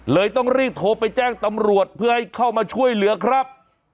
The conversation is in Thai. ต้องรีบโทรไปแจ้งตำรวจเพื่อให้เข้ามาช่วยเหลือครับ